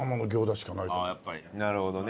なるほどね。